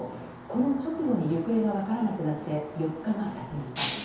この直後に行方が分からなくなって４日が経ちました。